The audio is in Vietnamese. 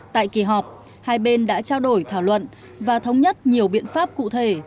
tại kỳ họp hai bên đã trao đổi thảo luận và thống nhất nhiều biện pháp cụ thể